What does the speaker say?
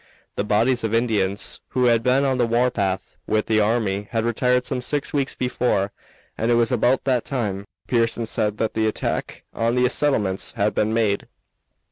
The bodies of Indians who had been on the war path with the army had retired some six weeks before, and it was about that time, Pearson said, that the attack on the settlements had been made.